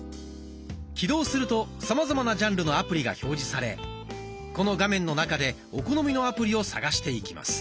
起動するとさまざまなジャンルのアプリが表示されこの画面の中でお好みのアプリを探していきます。